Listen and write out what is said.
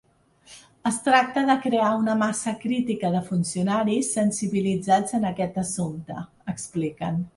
Es tracta de crear una massa crítica de funcionaris sensibilitzats en aquest assumpte, expliquen.